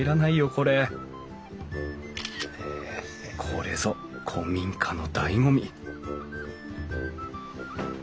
これこれぞ古民家のだいご味！